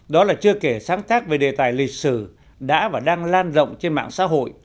đó là chưa kể sáng tác về đề tài lịch sử đã và đang lan rộng trên mạng xã hội